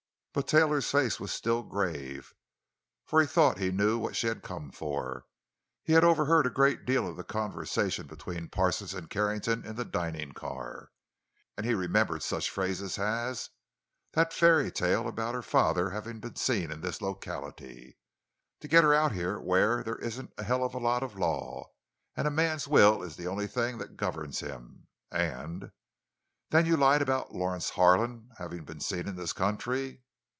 But Taylor's face was still grave, for he thought he knew what she had come for. He had overheard a great deal of the conversation between Parsons and Carrington in the dining car, and he remembered such phrases as: "That fairy tale about her father having been seen in this locality; To get her out here, where there isn't a hell of a lot of law, and a man's will is the only thing that governs him;" and, "Then you lied about Lawrence Harlan having been seen in this country."